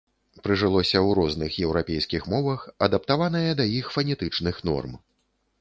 Прыжылося ў розных еўрапейскіх мовах, адаптаванае да іх фанетычных норм.